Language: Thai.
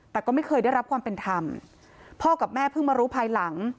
แต่ก็ไม่เคยได้รับความเป็นธรรมพ่อกับแม่เพิ่งมารู้ภายหลัง